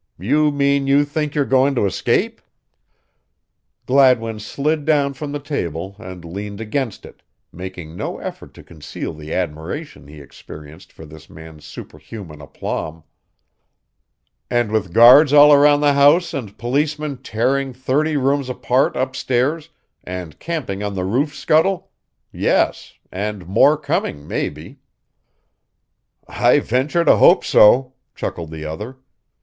"You mean you think you're going to escape?" Gladwin slid down from the table and leaned against it, making no effort to conceal the admiration he experienced for this man's superhuman aplomb. "And with guards all around the house and policemen tearing thirty rooms apart upstairs and camping on the roof scuttle yes, and more coming, maybe." "I venture to hope so," chuckled the other.